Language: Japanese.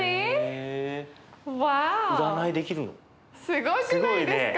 すごくないですか。